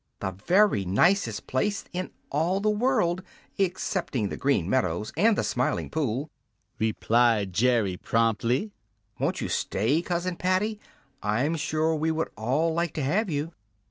"The very nicest place in all the world excepting the Green Meadows and the Smiling Pool!" replied Jerry promptly. "Won't you stay, Cousin Paddy? I'm sure we would all like to have you."